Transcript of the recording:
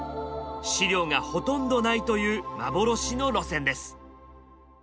資料がほとんどないという幻の路線です。